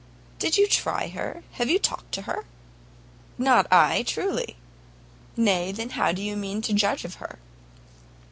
"Did you try her? Have you talked to her?" "Not I, truly!" "Nay, then how do you mean to judge of her?"